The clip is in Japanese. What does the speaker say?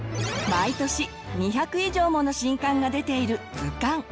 毎年２００以上もの新刊が出ている図鑑。